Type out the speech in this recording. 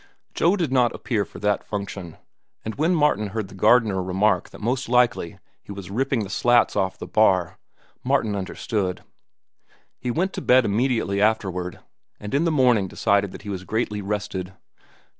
Joe did not appear for that function, and when Martin heard the gardener remark that most likely he was ripping the slats off the bar, Martin understood. He went to bed immediately afterward, and in the morning decided that he was greatly rested.